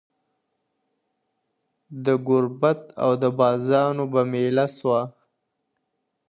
د ګوربت او د بازانو به مېله سوه!